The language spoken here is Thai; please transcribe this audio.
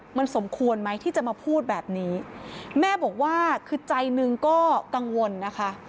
มันสมควรไหมที่จะมาพูดแบบนี้แม่บอกว่าคือใจหนึ่งก็กังวลนะคะ